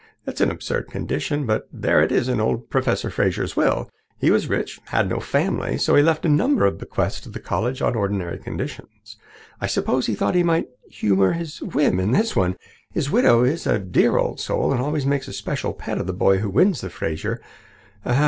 It's an absurd condition, but there it is in old Professor Fraser's will. He was rich and had no family. So he left a number of bequests to the college on ordinary conditions. I suppose he thought he might humour his whim in one. His widow is a dear old soul, and always makes a special pet of the boy who wins the Fraser.